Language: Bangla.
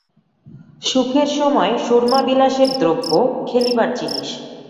সুখের সময় সুরমা বিলাসের দ্রব্য, খেলিবার জিনিস।